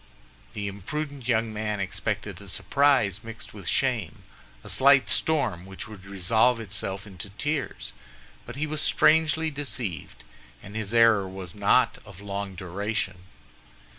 The imprudent young man expected a surprise, mixed with shame—a slight storm which would resolve itself into tears; but he was strangely deceived, and his error was not of long duration.